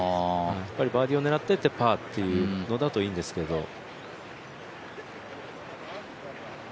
バーディーを狙っていってパーというのだといいんですけど。